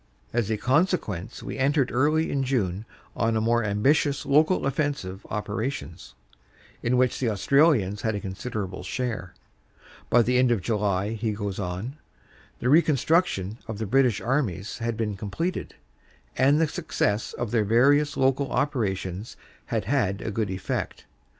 As a consequence we entered early in June on more ambit 4 CANADA S HUNDRED DAYS ious local offensive operations, in which the Australians had a considerable share. "By the end of July," he goes on, l( the reconstitution of the British armies had been completed, and the success of their various local operations had had a good effect.